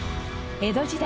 江戸時代